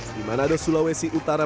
di manado sulawesi utara